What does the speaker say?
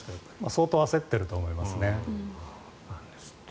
相当焦っていると思いますね。